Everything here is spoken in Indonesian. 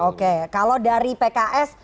oke kalau dari pks